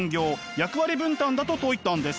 役割分担だと説いたんです。